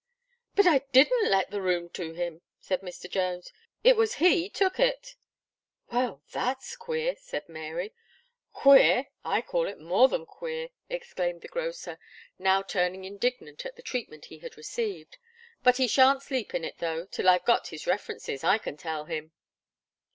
"But I didn't let the room to him," said Mr. Jones; "it was he took it." "Well, that's queer!" said Mary. "Queer! I call it more than queer!" exclaimed the grocer, now turning indignant at the treatment he had received; "but he shan't sleep in it, though, till I've got his references, I can tell him."